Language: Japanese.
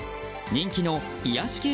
人気の癒やし系